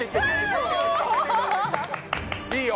いいよ！